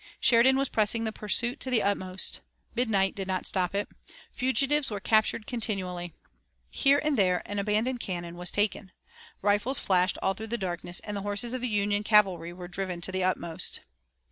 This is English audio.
Sheridan was pressing the pursuit to the utmost. Midnight did not stop it. Fugitives were captured continually. Here and there an abandoned cannon was taken. Rifles flashed all through the darkness, and the horses of the Union cavalry were driven to the utmost.